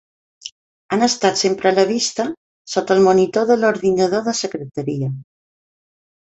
Han estat sempre a la vista, sota el monitor de l'ordinador de secretaria.